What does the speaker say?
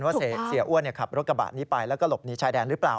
ว่าเสียอ้วนขับรถกระบะนี้ไปแล้วก็หลบหนีชายแดนหรือเปล่า